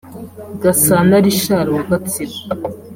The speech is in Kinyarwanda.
Gasana Richard wa Gatsibo